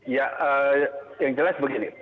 ya yang jelas begini